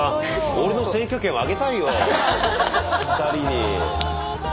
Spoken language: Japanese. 俺の選挙権をあげたいよ２人に。